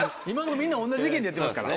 みんな同じ意見でやってますから。